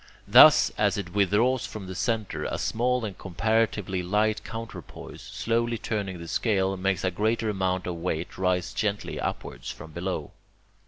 Thus, as it withdraws from the centre, a small and comparatively light counterpoise, slowly turning the scale, makes a greater amount of weight rise gently upwards from below.